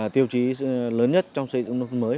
tiêu chí lớn nhất trong xây dựng nước mới